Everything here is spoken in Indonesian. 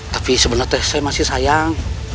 tapi sebenarnya saya masih sayang